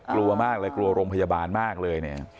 กลัวมากเลยกลัวโรงพยาบาลมากเลยเนี่ย